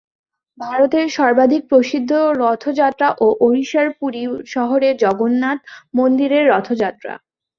ভারতের সর্বাধিক প্রসিদ্ধ রথযাত্রা ওড়িশার পুরী শহরের জগন্নাথ মন্দিরের রথযাত্রা।